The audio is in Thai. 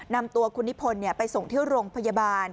นำตัวคุณนิพนธ์ไปส่งที่โรงพยาบาล